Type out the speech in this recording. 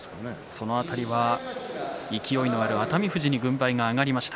その辺りは勢いのある熱海富士に軍配が上がりました。